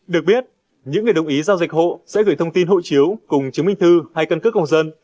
được biết những người đồng ý giao dịch hộ sẽ gửi thông tin hộ chiếu cùng chứng minh thư hay cân cước công dân